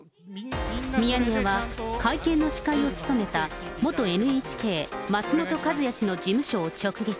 ミヤネ屋は、会見の司会を務めた元ＮＨＫ、松本和也氏の事務所を直撃。